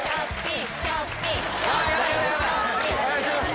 お願いします。